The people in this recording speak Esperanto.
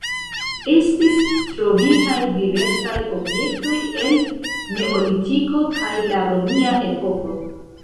Estis trovitaj diversaj objektoj el neolitiko kaj la romia epoko.